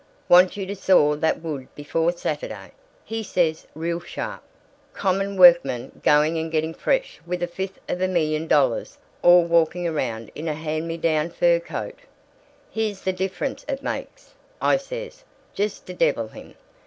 Want you to saw that wood before Saturday,' he says, real sharp. Common workman going and getting fresh with a fifth of a million dollars all walking around in a hand me down fur coat! "'Here's the difference it makes,' I says, just to devil him.